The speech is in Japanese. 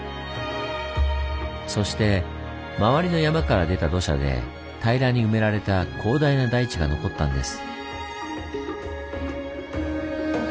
そして周りの山から出た土砂で平らに埋められた広大な大地が残ったんです。